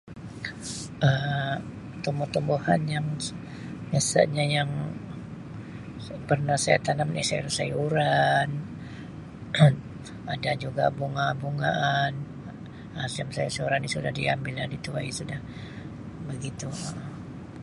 Um Tumbuh-tumbuhan yang biasanya yang pernah saya tanam ni sayur-sayuran ada juga bunga-bungaan Um [unintelligible] sayur-sayuran ni suda diambil lah dituai suda begitu Um.